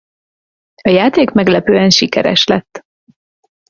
A játék meglepően sikeres lett.